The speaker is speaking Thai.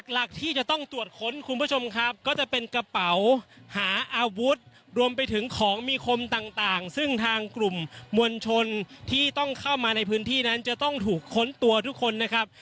หลักที่จะต้องตรวจค้นคุณผู้ชมครับก็จะเป็นกระเป๋าหาอาวุธรวมไปถึงของมีคมต่างซึ่งทางกลุ่มมวลชนที่ต้องเข้ามาในพื้นที่นั้นจะต้องถูกค้นตัวทุกคนนะครับ